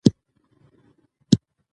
قانون د ټولو لپاره یو شان دی.